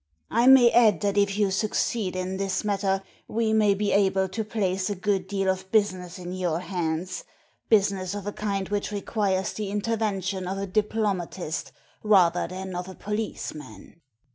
I may add that if you succeed in this matter we may be able to place a good deal of business in your hands — business of a kind which requires the intervention of a diplomatist rather than of a policeman."